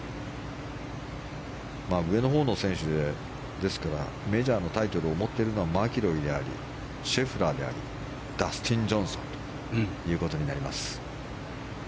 上のほうの選手でですから、メジャーのタイトルを持っているのはマキロイでありシェフラーでありダスティン・ジョンソンということになります。